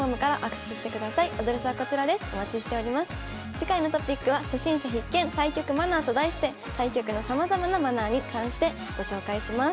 次回のトピックは「初心者必見！対局マナー」と題して対局のさまざまなマナーに関してご紹介します。